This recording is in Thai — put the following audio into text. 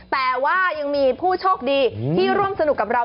แต่ว่ายังมีผู้โชคดีที่ร่วมสนุกกับเรา